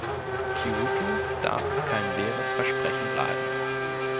Kyoto darf kein leeres Versprechen bleiben.